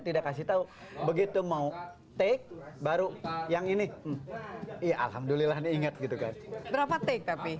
tidak kasih tahu begitu mau take baru yang ini ya alhamdulillah diingat gitu kan berapa take tapi